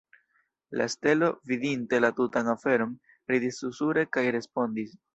La stelo, vidinte la tutan aferon, ridis susure kaj respondis.